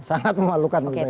sangat memalukan menurut saya